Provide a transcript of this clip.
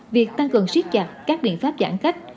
việc tăng cường siết chặt các biện pháp giãn cách